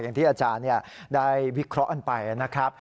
อย่างที่อาจารย์ได้วิเคราะห์กันไปนะครับ